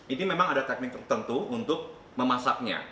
ini memang ada teknik tertentu untuk memasaknya